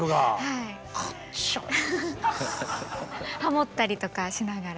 ハモったりとかしながら。